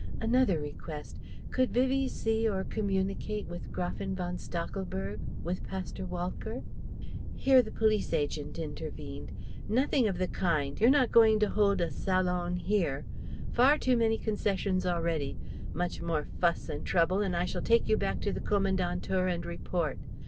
Another request. Could Vivie see or communicate with Gräfin von Stachelberg? with Pasteur Walcker? Here the police agent intervened "Nothing of the kind! You're not going to hold a salon here. Far too many concessions already. Much more fuss and trouble, and I shall take you back to the Kommandantur and report.